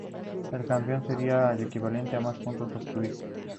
Su planta, demarcada por la muralla perimetral, es de un hexágono irregular.